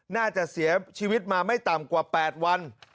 น่าจะเสียชีวิตมาไม่ต่ำกว่า๘วัน